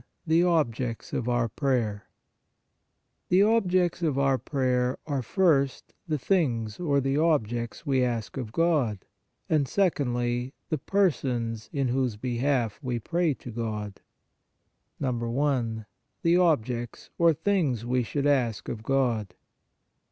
THE OBJECTS OF OUR PRAYERS The objects of our prayers are, first, the things or the objects we ask of God, and secondly, the per sons in whose behalf we pray to God. I. THE OBJECTS OR THINGS WE SHOULD ASK OF GOD.